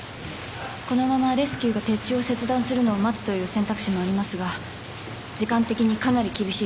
このままレスキューが鉄柱を切断するのを待つという選択肢もありますが時間的にかなり厳しい状況です。